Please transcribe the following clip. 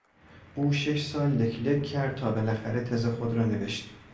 او شش سال لک لک کرد تا بالاخره تز خود را نوشت.